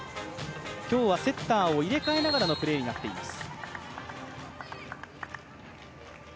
今日はセッターを入れ替えながらのプレーになっています。